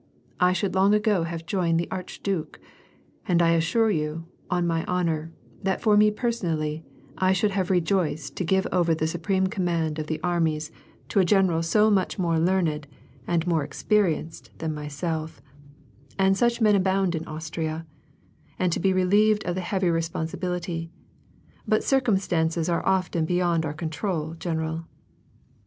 I should long ago have joined the archduke. And I assure you, on ray honor, that for me personally, I should have been rejoiced to give over the supreme command of the armies to a general *" High and far in our fatherland/' WAR AND PEACE. U3 so much more learned and more experienced than myself, — and such men abound in Austria, — and to be relieved of the heavy responsibility ; but circumstances are often beyond our control, general."